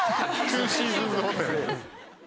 ツーシーズンズホテル。